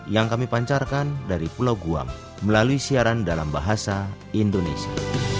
yang kami pancarkan dari pulau guam melalui siaran dalam bahasa indonesia